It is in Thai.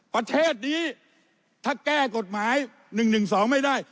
ประเทศนี้ถ้าแก้กฎหมาย๑๑๒ไม่ได้